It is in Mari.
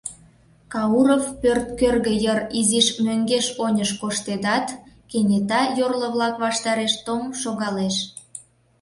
Кауров пӧрт кӧргӧ йыр изиш мӧҥгеш-оньыш коштедат, кенета йорло-влак ваштареш тоҥ шогалеш.